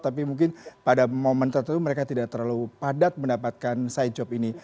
tapi mungkin pada momen tertentu mereka tidak terlalu padat mendapatkan side job ini